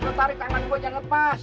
kau tarik tangan gua jangan lepas